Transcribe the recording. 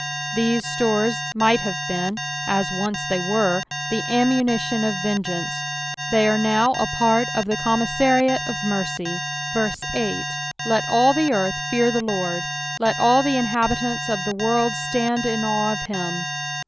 These stores might have beeu, as once they wcr^ the ammunition of vengeance, they are now a part of the commissariat of mercyS 8 Let all the earth fear the LORD : let all the inhabitants of the world stand in awe of him.